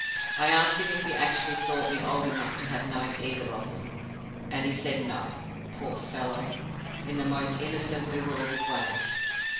I asked him if he actually thought me old enough to have known either of them. And he said No, poor fellow, in the most innocent, bewildered way.